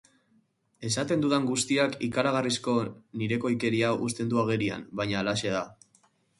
Esaten dudan guztiak ikaragarrizko nirekoikeria uzten du agerian, baina halaxe da.